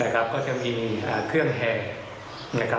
ก็จะมีเครื่องแหง